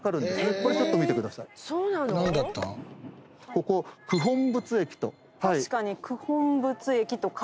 ここ「九品仏駅」と。